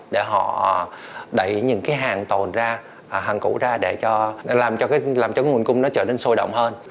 để họ đẩy những hàng tồn ra hàng cũ ra để làm cho nguồn cung trở nên sôi động hơn